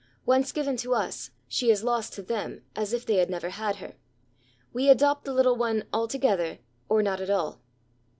Once given to us, she is lost to them as if they had never had her. We adopt the little one altogether or not at all.